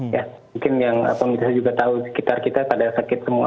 ya mungkin yang pemirsa juga tahu sekitar kita pada sakit semua